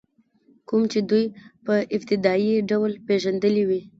کوم چې دوی په ابتدایي ډول پېژندلي وي.